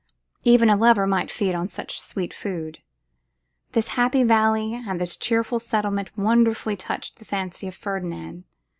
Even a lover might feed on such sweet food. This happy valley and this cheerful settlement wonderfully touched the fancy of Ferdinand.